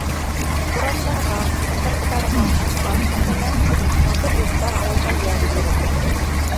Урамдарға, тыҡрыҡтарға асфальт түшәлә, матур йорттар ауылға йәм бирә.